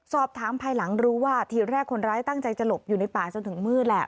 ภายหลังรู้ว่าทีแรกคนร้ายตั้งใจจะหลบอยู่ในป่าจนถึงมืดแหละ